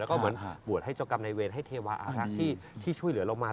แล้วก็เหมือนบวชให้เจ้ากรรมในเวรให้เทวาอารักษ์ที่ช่วยเหลือเรามา